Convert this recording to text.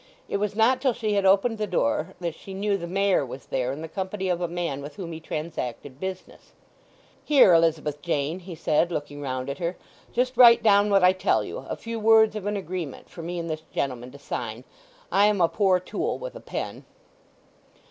It was not till she had opened the door that she knew the Mayor was there in the company of a man with whom he transacted business. "Here, Elizabeth Jane," he said, looking round at her, "just write down what I tell you—a few words of an agreement for me and this gentleman to sign. I am a poor tool with a pen."